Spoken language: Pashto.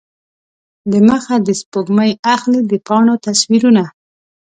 دمخه د سپوږمۍ اخلي د پاڼو تصویرونه